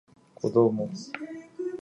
こども